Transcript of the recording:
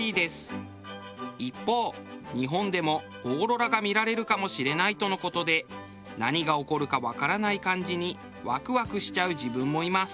一方日本でもオーロラが見られるかもしれないとの事で何が起こるかわからない感じにワクワクしちゃう自分もいます。